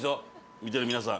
見てる皆さん。